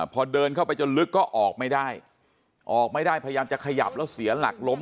พอเดินเข้าไปจนลึกก็ออกไม่ได้ออกไม่ได้พยายามจะขยับแล้วเสียหลักล้ม